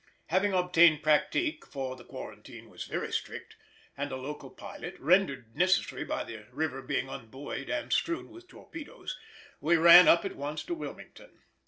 Having obtained pratique (for the quarantine was very strict) and a local pilot, rendered necessary by the river being unbuoyed and strewn with torpedoes, we ran up at once to Wilmington.